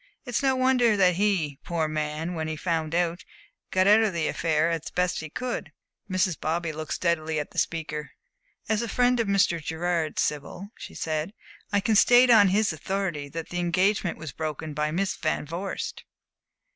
"It's no wonder that he, poor man, when he found it out, got out of the affair as best he could." Mrs. Bobby looked steadily at the speaker. "As a friend of Mr. Gerard's, Sibyl," she said, "I can state on his authority that the engagement was broken by Miss Van Vorst."